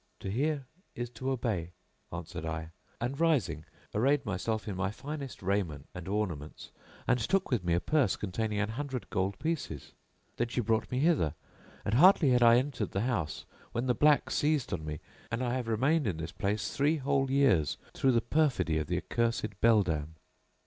'To hear is to obey,' answered I, and rising arrayed myself in my finest raiment and ornaments, and took with me a purse containing an hundred gold pieces. Then she brought me hither and hardly had I entered the house when the black seized on me, and I have remained in this case three whole years through the perfidy of the accursed beldam."